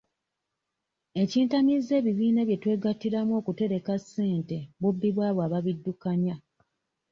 Ekintamizza ebibiina bye twegattiramu okutereka ssente bubbi bw'abo ababiddukanya.